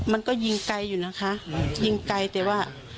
มันก็ยิงไกลอยู่นะคะยิงไกลแต่ว่า